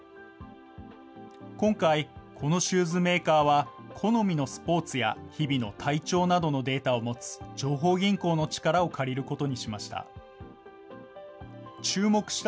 今回、このシューズメーカーは、好みのスポーツや、日々の体調などのデータを持つ情報銀行の力を借りることにしました。